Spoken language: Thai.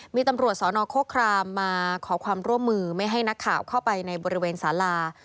มีตำรวจสนโคครามมาขอความร่วมมือไม่ให้นักข่าวเข้าไปในบริเวณสารา